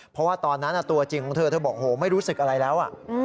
เพราะว่าตอนนั้นตัวจริงของเธอเธอบอกโหไม่รู้สึกอะไรแล้ว